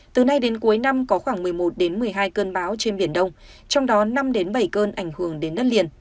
từ nay đến cuối năm có khoảng một mươi một một mươi hai cơn bão trên biển đông trong đó năm bảy cơn ảnh hưởng đến đất liền